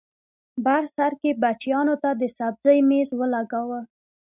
بر سر کې بچیانو ته د سبزۍ مېز ولګاوه